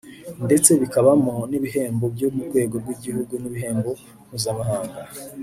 ndetse bikabamo n’ibihembo byo ku rwego rw’igihugu n’ibihembo mpuzamahanga